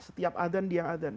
setiap adhan dia adhan